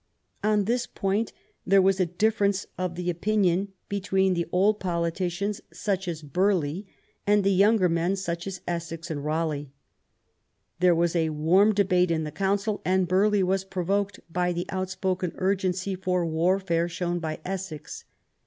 On this point there was a difference of opinion between the old politicians, »uch as Burghley, and the younger men, such as Essex and Raleigh. There was a warm debate in the Council, and Burghley was provoked by the outspoken urgency for warfare shown by Essex.